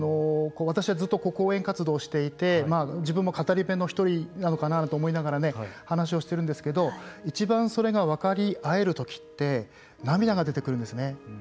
私はずっと講演活動をしていて自分も語り部の一人なのかなと思いながら話をしてるんですけどいちばんそれが分かり合えるときって涙が出てくるんですね。